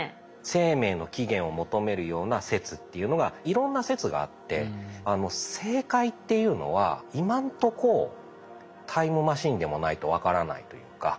生命の起源を求めるような説っていうのがいろんな説があって正解っていうのは今のとこタイムマシンでもないとわからないというか。